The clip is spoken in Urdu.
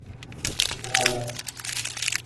گھانا